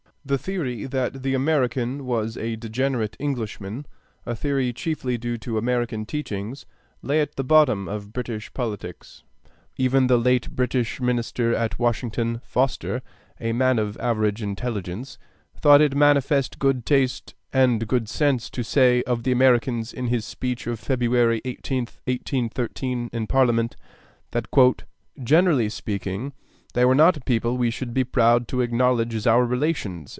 The theory that the American was a degenerate Englishman a theory chiefly due to American teachings lay at the bottom of British politics. Even the late British minister at Washington, Foster, a man of average intelligence, thought it manifest good taste and good sense to say of the Americans in his speech of February 18th, 1813, in Parliament, that "generally speaking, they were not a people we should be proud to acknowledge as our relations."